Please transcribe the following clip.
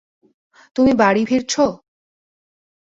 তুমি বাড়ি ফিরছো?